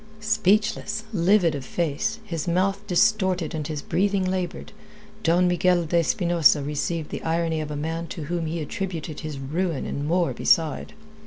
Speechless, livid of face, his mouth distorted and his breathing laboured, Don Miguel de Espinosa received the irony of that man to whom he attributed his ruin and more beside.